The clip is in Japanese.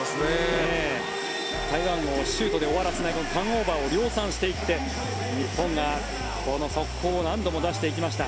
台湾をシュートで終わらせないターンオーバーを量産していって、日本が速攻を何度も出していきました。